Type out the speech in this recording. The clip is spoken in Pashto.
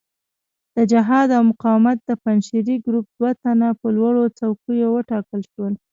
د جهاد او مقاومت د پنجشیري ګروپ دوه تنه په لوړو څوکیو وټاکل شول.